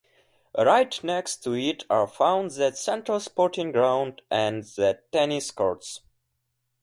Right next to it are found the central sporting ground and the tennis courts.